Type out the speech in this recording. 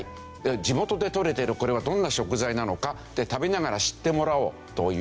地元でとれているこれはどんな食材なのかって食べながら知ってもらおうという事。